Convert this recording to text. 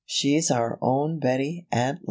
She's our own Bettie, at last."